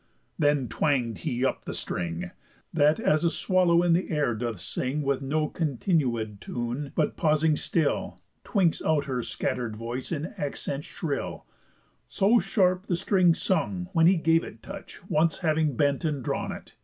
Then twang'd he up the string, That as a swallow in the air doth sing With no continued tune, but, pausing still, Twinks out her scatter'd voice in accents shrill; So sharp the string sung when he gave it touch, Once having bent and drawn it.